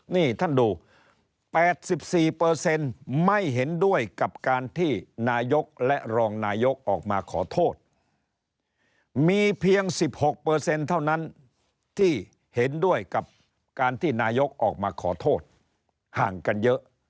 นี่ท่านดู๘๔ไม่เห็นด้วยกับการที่นายกและรองนายกออกมาขอโทษมีเพียง๑๖เท่านั้นที่เห็นด้วยกับการที่นายกออกมาขอโทษห่างกันเยอะ